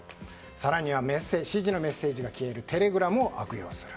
更には指示のメッセージが消えるテレグラムを悪用する。